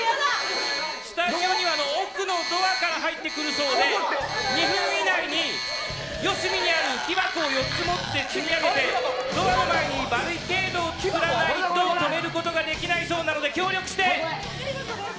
スタジオの奥のドアから入ってくるそうで２分以内に四隅にある木箱を４つ積み上げてドアの前にバリケードを作らないと止めることができないそうなので協力して。